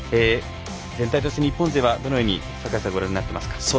全体として日本勢は坂井さんはどのようにご覧になっていますか。